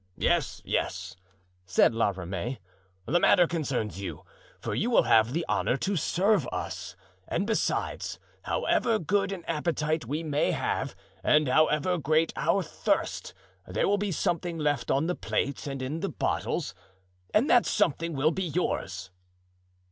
"Yes, yes," said La Ramee, "the matter concerns you, for you will have the honor to serve us; and besides, however good an appetite we may have and however great our thirst, there will be something left on the plates and in the bottles, and that something will be yours."